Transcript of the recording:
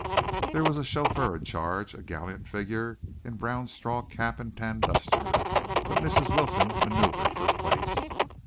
There was a chauffeur in charge a gallant figure in a brown straw cap and tan duster, but Mrs. Wilson manoeuvred for place.